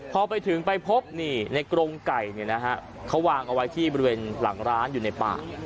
พอไปถึงไปพบเกดียวเนี่ยในกรงไก่เนี้ยเอาไว้ที่บริเวณหลังร้านอยู่ในป่า